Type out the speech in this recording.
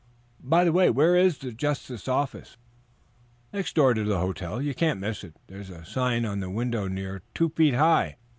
"By the way, where is the justice's office?" "Next door beyond the hotel. You can't miss it. There's a sign on the window near two feet high.